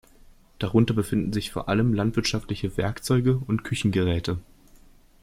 Darunter befinden sich vor allem landwirtschaftliche Werkzeuge und Küchengeräte.